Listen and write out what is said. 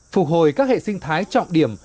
phục hồi các hệ sinh thái trọng điểm